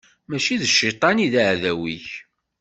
Mačči d cciṭan i d aɛdaw-ik.